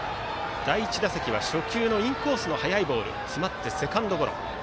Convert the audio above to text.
第１打席は初球のインコースの速いボールに詰まってセカンドゴロ。